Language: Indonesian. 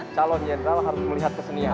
calon jenderal harus melihat kesenian